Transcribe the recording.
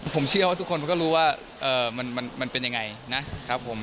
ผมเชื่อว่าทุกคนก็รู้ว่ามันเป็นยังไงนะครับผม